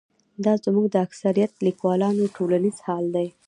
دا زموږ د اکثریت لیکوالو ټولیز حال دی.